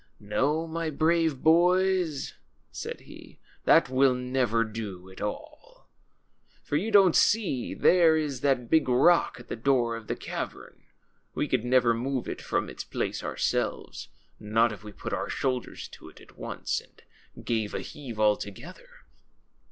^^^No, my brave boys,' said he, Hhat Avill never do at all. For don't you see, there is that big rock at the door of the cavern ? We never could move it from its place ourseh^es, not if Ave put our shoulders to it at once and gaA^e a lieaA^e, all together.